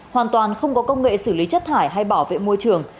hoàn toàn không có công nghệ xử lý chất thải hay bảo vệ môi trường